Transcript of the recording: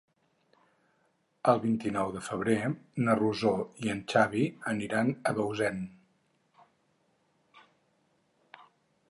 El vint-i-nou de febrer na Rosó i en Xavi aniran a Bausen.